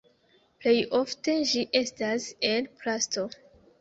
Plejofte ĝi estas el plasto.